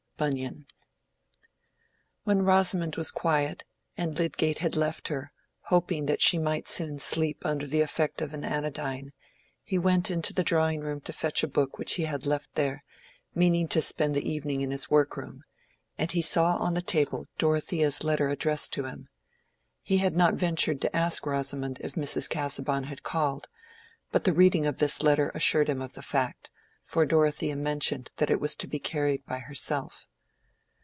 —BUNYAN. When Rosamond was quiet, and Lydgate had left her, hoping that she might soon sleep under the effect of an anodyne, he went into the drawing room to fetch a book which he had left there, meaning to spend the evening in his work room, and he saw on the table Dorothea's letter addressed to him. He had not ventured to ask Rosamond if Mrs. Casaubon had called, but the reading of this letter assured him of the fact, for Dorothea mentioned that it was to be carried by herself.